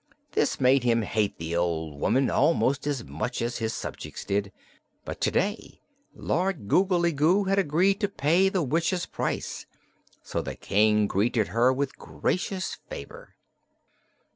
This made him hate the old woman almost as much as his subjects did, but to day Lord Googly Goo had agreed to pay the witch's price, so the King greeted her with gracious favor.